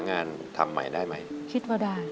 อเรนนี่คือเหตุการณ์เริ่มต้นหลอนช่วงแรกแล้วมีอะไรอีก